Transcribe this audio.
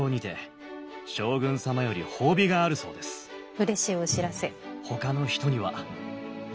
うれしいお知らせ。